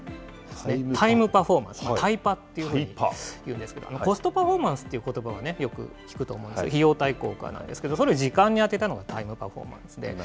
タイムパフォーマンス・タイパっていうふうにいうんですけど、コストパフォーマンスということばをよく聞くと思うんですけど、費用対効果なんですけど、それを時間にあてたのがタイムパフォーマンス。